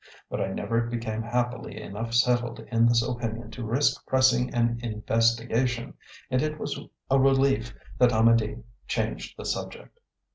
But I never became happily enough settled in this opinion to risk pressing an investigation; and it was a relief that Amedee changed the subject.